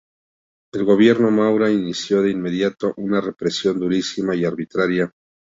El gobierno Maura inició de inmediato una represión durísima y arbitraria.